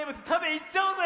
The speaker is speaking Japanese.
いっちゃおうぜ！